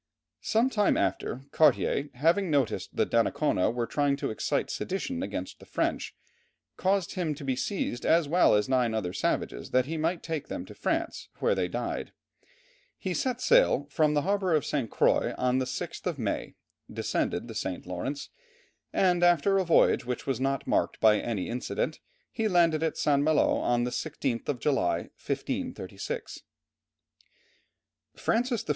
Some time after, Cartier, having noticed that Donnacona was trying to excite sedition against the French, caused him to be seized, as well as nine other savages, that he might take them to France, where they died. He set sail from the harbour of St. Croix on the 6th of May, descended the St. Lawrence, and after a voyage which was not marked by any incident, he landed at St. Malo on the 16th of July, 1536. Francis I.